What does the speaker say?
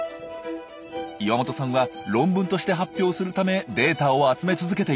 岩本さんは論文として発表するためデータを集め続けています。